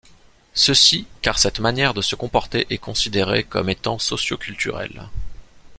Ceci car cette manière de se comporter est considérée comme étant socioculturelle.